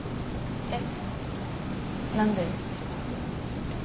えっ何で？